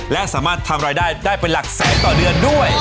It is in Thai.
และสามารถทำรายได้ได้เป็นหลักแสนต่อเดือนด้วย